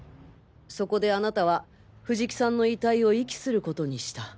そこであなたは藤木さんの遺体を遺棄することにした。